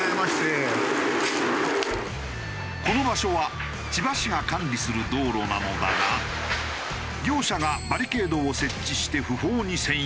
この場所は千葉市が管理する道路なのだが業者がバリケードを設置して不法に占用。